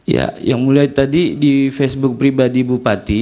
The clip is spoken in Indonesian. ya yang mulai tadi di facebook pribadi bupati